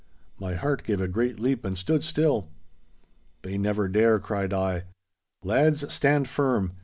My heart gave a great leap and stood still. 'They never dare!' cried I. 'Lads, stand firm.